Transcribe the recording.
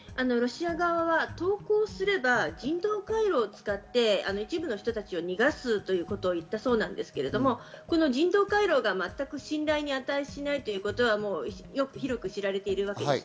ロシア側は投降すれば人道回廊を使って一部の人たちを逃がすということを言ったそうですけれど、人道回廊が全く信頼に値しないということは広く知られています。